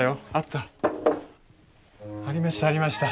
ありましたありました。